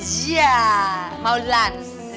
iya mau lans